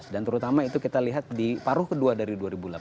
terutama itu kita lihat di paruh kedua dari dua ribu delapan belas